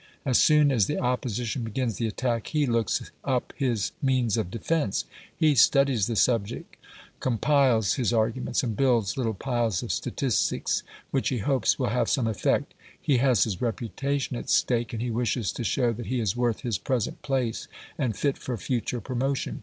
As soon as the Opposition begins the attack, he looks up his means of defence. He studies the subject, compiles his arguments, and builds little piles of statistics, which he hopes will have some effect. He has his reputation at stake, and he wishes to show that he is worth his present place, and fit for future promotion.